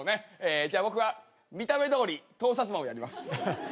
じゃあ僕は見た目どおり盗撮魔をやります。